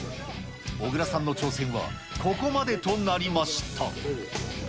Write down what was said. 小倉さんの挑戦はここまでとなりました。